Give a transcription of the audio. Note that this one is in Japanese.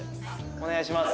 お願いします！